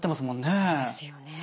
そうですよね。